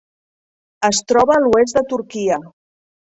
Es troba a l'oest de Turquia.